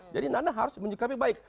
jadi nana harus disikapinya baik